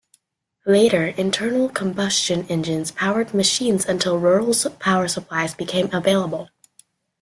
Later, internal combustion engines powered machines until rural power supplies became available.